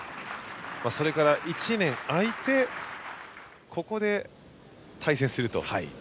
それから、１年空いてここで対戦すると。